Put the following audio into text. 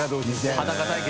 裸対決。